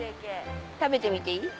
食べてみていい？